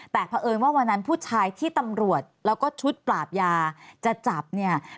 แต่เพราะเอิญว่าวันนั้นผู้ชายที่ตำรวจแล้วก็ชุดปราบยาจะจับเนี่ย